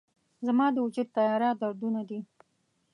زما د وجود تیاره دردونه دي